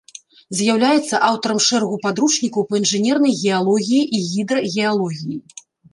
З'яўляецца аўтарам шэрагу падручнікаў па інжынернай геалогіі і гідрагеалогіі.